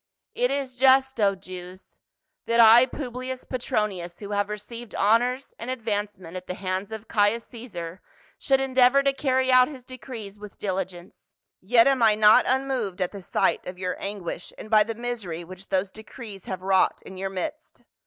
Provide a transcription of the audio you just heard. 12 178 PAUL. " It is just, O Jews, that I, Publius Petronius, who have received honors and advancement at the hands of Caius Caesar should endeavor to carry out his decrees with dihgence, yet am I not unmoved at the sight of your anguish and by the misery which those decrees have wrought in your midst.